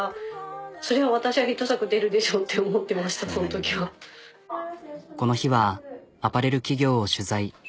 でもこの日はアパレル企業を取材。